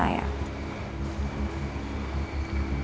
tapi bapak nganterin orang lain